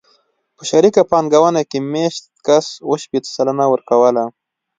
په شریکه پانګونه کې مېشت کس اوه شپېته سلنه ورکوله